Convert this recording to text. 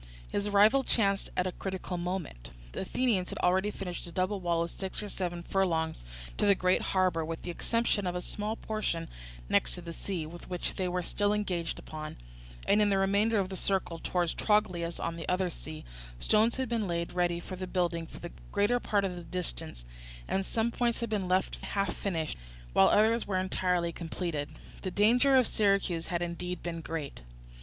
His arrival chanced at a critical moment. The Athenians had already finished a double wall of six or seven furlongs to the great harbour, with the exception of a small portion next the sea, which they were still engaged upon; and in the remainder of the circle towards Trogilus on the other sea, stones had been laid ready for building for the greater part of the distance, and some points had been left half finished, while others were entirely completed. The danger of Syracuse had indeed been great.